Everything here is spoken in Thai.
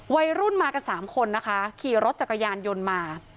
วัยรุ่นมากันสามคนนะคะขี่รถจักรยานยนต์มา